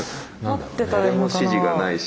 何も指示がないし。